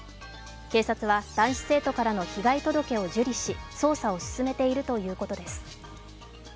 警察は男子生徒からの被害届を受理し捜査を進めているということです。